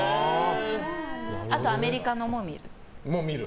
あとアメリカのも見る。